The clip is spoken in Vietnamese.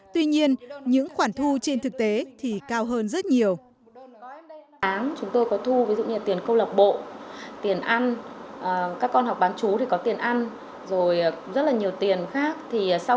tuy nhiên những khoản thu trên thực tế thì cao hơn rất nhiều